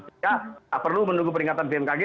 sehingga tak perlu menunggu peringatan bmkg